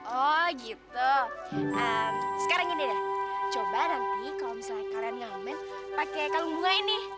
oh gitu sekarang ini deh coba nanti kalau misalnya karen ngamen pakai kalung bunga ini